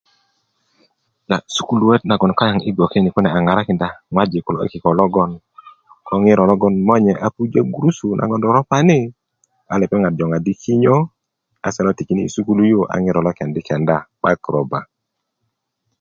sukuluwat naŋ gboŋ kaŋ yi gboke ni kune a ŋarakinda ŋwajik kulo i kiko logoŋ ko ŋiro logon monye a pujö gurusu naŋ roropani a lepeŋat joŋadi' kinyo a se lo tikini' sukulu yu a ŋiro lo kendi' kenda 'bai ko roba